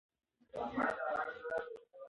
ایا ستا ورور هم په دې ټیم کې لوبېږي؟